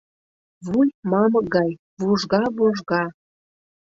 Вуй, мамык гай, вужга-вужга.